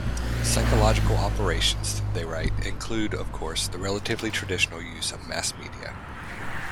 "Psychological operations," they write, "include, of course, the relatively traditional use of mass media.